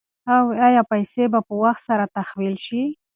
ایا پیسې به په وخت سره تحویل شي؟